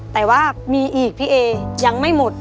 แต่ว่ามีอิทธิพิเอยังไม่หมด